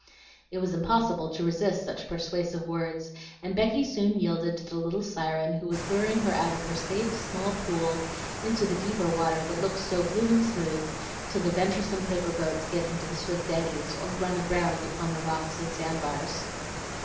It was impossible to resist such persuasive words, and Becky soon yielded to the little siren who was luring her out of her safe, small pool into the deeper water that looks so blue and smooth till the venturesome paper boats get into the swift eddies, or run aground upon the rocks and sandbars.